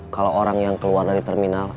kalau orang yang keluar dari terminal